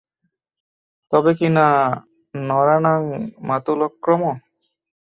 তবে কিনা– নরাণাং মাতুলক্রমঃ।